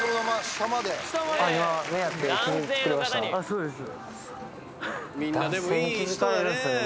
そうです。